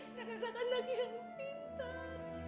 tak akan lagi yang pintar